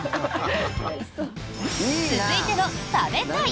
続いての食べたい！